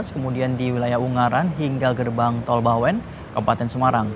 kemudian di wilayah ungaran hingga gerbang tol bawen kabupaten semarang